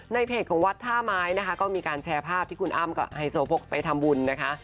เพจของวัดท่าไม้นะคะก็มีการแชร์ภาพที่คุณอ้ำกับไฮโซโพกไปทำบุญนะคะ